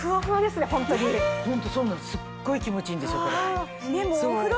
すっごい気持ちいいんですよこれ。